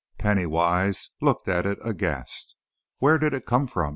Pennington Wise looked at it aghast. "Where did it come from?"